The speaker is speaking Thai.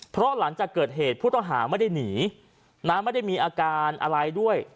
เพราะหลังจากเกิดเหตุผู้ต้องหาไม่ได้หนีนะไม่ได้มีอาการอะไรด้วย